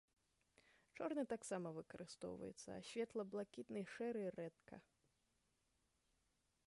Чорны таксама выкарыстоўваецца, а светла-блакітны і шэры рэдка.